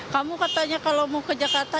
kamu katanya kalau mau ke jakarta